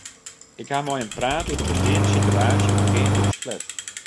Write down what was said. Ik ha mei him praat oer de besteande sitewaasje oangeande ús flat.